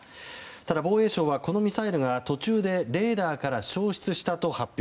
ただ、防衛省は途中でレーダーから消失したと発表。